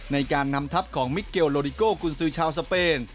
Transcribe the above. ในการนำทัพของมิเกลโลดิโกกุญสือชาวสเปน